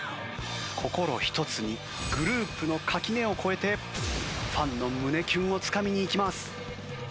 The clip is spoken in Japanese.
心ひとつにグループの垣根を越えてファンの胸キュンをつかみにいきます。